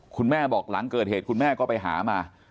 คุณแม่บอกหลังเกิดเหตุคุณแม่ก็ไปหามา